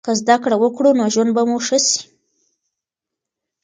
که زده کړه وکړو نو ژوند به مو ښه سي.